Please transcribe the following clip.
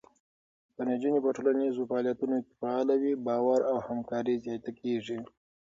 که نجونې په ټولنیزو فعالیتونو کې فعاله وي، باور او همکاري زیاته کېږي.